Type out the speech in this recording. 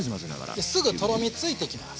すぐとろみついてきます。